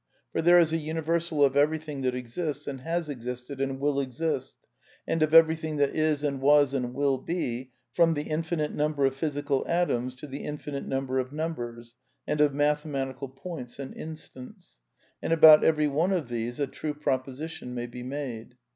For there is a universal of everything that exists and has existed and will exist ; and of everything that is and was and will be — from the infinite number of physical atoms to the in finite number of numbers and of mathematical points and instants ; and about every one of these a true proposition may be made.